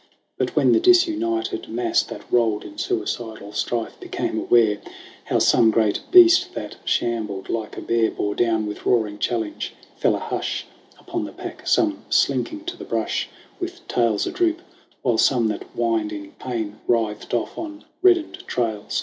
But when the disunited mass that rolled In suicidal strife, became aware How some great beast that shambled like a bear Bore down with roaring challenge, fell a hush Upon the pack, some slinking to the brush With tails a droop ; while some that whined in pain Writhed off on reddened trails.